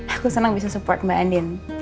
aku seneng bisa support mbak andien